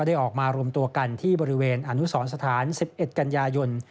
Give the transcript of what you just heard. ได้ออกมารวมตัวกันที่บริเวณอนุสรสถาน๑๑กันยายน